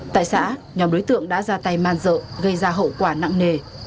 tại xã nhóm đối tượng đã ra tay man dợ gây ra hậu quả nặng nề